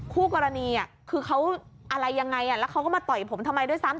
คู่กรณีคือเขาอะไรยังไงแล้วเขาก็มาต่อยผมทำไมด้วยซ้ำ